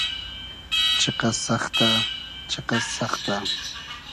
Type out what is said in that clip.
چیقئس سئختۂ ..... چیقئس سئختۂ .....